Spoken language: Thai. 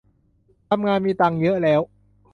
ทำงานมีตังค์เยอะแล้ว